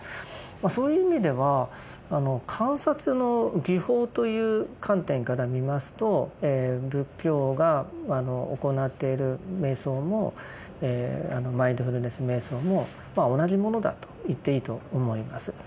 そういう意味では観察の技法という観点から見ますと仏教が行っている瞑想もあのマインドフルネス瞑想もまあ同じものだと言っていいと思います。